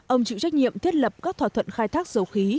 ông chịu trách nhiệm thiết lập các thỏa thuận khai thác dầu khí